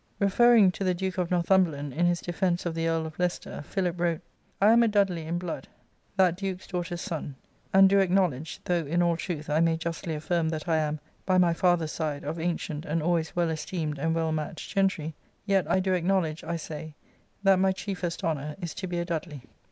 Referring to the Duke of Northumberland, in his defence of the Earl of Leicester, PhiUp wrote, " I am a Dudley in blood, that Duke's daughter's son ; and do acknowledge, — though, in all truth, I may justly affirm that I am, by my father's side, of ancient and always well esteemed and well matched gentry, — yet I do acknowledge, I say, that my chiefest honour is to be a Dudley.